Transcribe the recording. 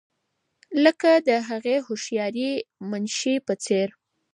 لکه د هغې هوښیارې منشي په څېر.